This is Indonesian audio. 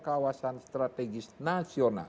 kawasan strategis nasional